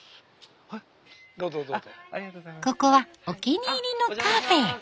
ここはお気に入りのカフェ。